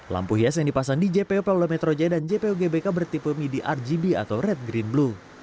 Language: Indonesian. lampu hias yang dipasang di jpo polda metro jaya dan jpo gbk bertipe midi rgb atau red green blue